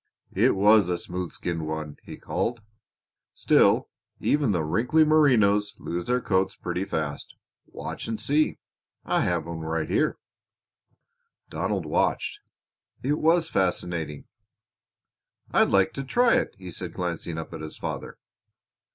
"It was a smooth skinned one," he called. "Still, even the wrinkly Merinos loose their coats pretty fast. Watch and see. I have one right here." Donald watched. It was fascinating. "I'd like to try it," he said glancing up at his father.